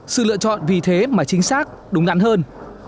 sự lựa chọn vì thế mà chính xác đúng đắn hơn